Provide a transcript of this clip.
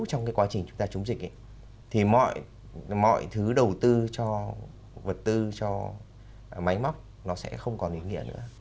trong cái quá trình chúng ta chống dịch thì mọi thứ đầu tư cho vật tư cho máy móc nó sẽ không còn ý nghĩa nữa